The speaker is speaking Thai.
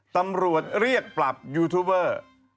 ตำรวจเรียกปรับยูทูบเบอร์